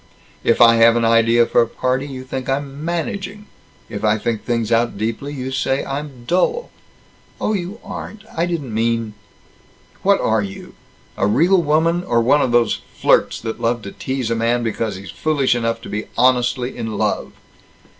"If I have an idea for a party, you think I'm 'managing.' If I think things out deeply, you say I'm dull." "Oh, you aren't. I didn't mean " "What are you? A real woman, or one of these flirts, that love to tease a man because he's foolish enough to be honestly in love?"